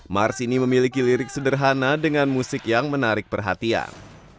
mars ini memiliki lirik sederhana dengan musik yang menarik perhatian